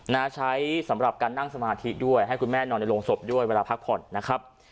นะใช้สำหรับการนั่งสมาธิด้วยให้คุณแม่นอนในโรงศพด้วยเวลาพักผ่อนนะครับ